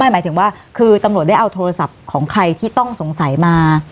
หมายถึงว่าคือตำรวจได้เอาโทรศัพท์ของใครที่ต้องสงสัยมา